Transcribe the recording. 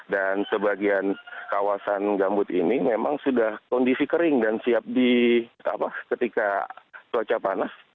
dan sebagian kawasan gambut ini memang sudah kondisi kering dan siap ketika cuaca panas